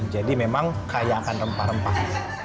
jadi memang kaya akan rempah rempah